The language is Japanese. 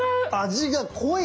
味が濃い！